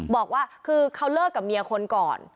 บอกว่าคือเขาเลิกกับเมียคนก่อน